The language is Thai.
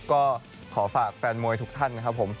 จุดที่สุดขอฝากแฟนมวยทุกท่าน